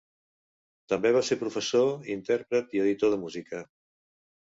També va ser professor, intèrpret i editor de música.